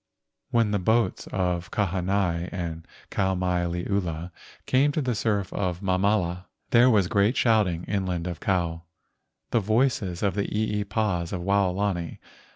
When the boats of Kahanai and Kau mai liula came to the surf of Mamala, there was great shouting inland of Kou, the voices of the eepas of Waolani.